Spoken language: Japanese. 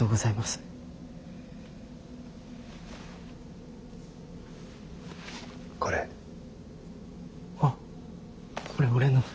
あっこれ俺の。